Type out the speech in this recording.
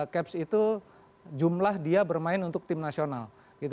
caps itu jumlah dia bermain untuk tim nasional